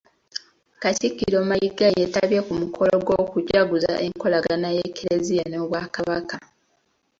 Katikkiro Mayiga yeetabye ku mukolo gw'okujaguza enkolagana y'Eklezia n'Obwakabaka.